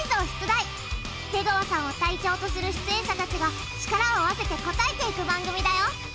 出川さんを隊長とする出演者たちが力を合わせて答えていく番組だよ！